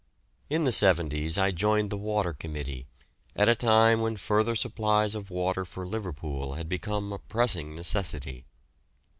In the 'seventies I joined the Water Committee, at a time when further supplies of water for Liverpool had become a pressing necessity.